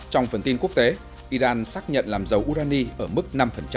trong phần tin quốc tế iran xác nhận làm dầu urani ở mức năm